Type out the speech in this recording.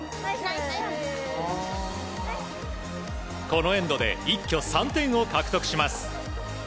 このエンドで一挙３点を獲得します。